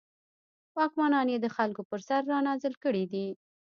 واکمنان یې د خلکو پر سر رانازل کړي دي.